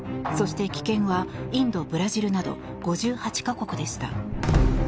そして、棄権はインド、ブラジルなど５８か国でした。